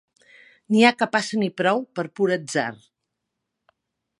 N'hi ha que passen i prou, per pur atzar.